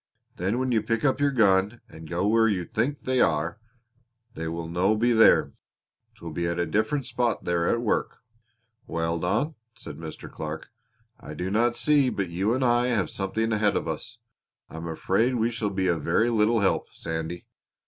Then when you pick up your gun and go where you think they are, they will no be there; 'twill be at a different spot they are at work." "Well, Don," said Mr. Clark, "I do not see but you and I have something ahead of us. I am afraid we shall be of very little help, Sandy.